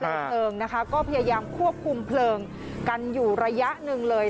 เพลิงนะคะก็พยายามควบคุมเพลิงกันอยู่ระยะหนึ่งเลย